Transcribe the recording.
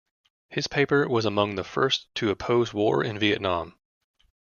His paper was among the first to oppose war in Vietnam.